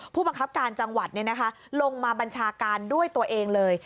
ผู้บังคับการจังหวัดลงมาบัญชาการด้วยตัวเองเลย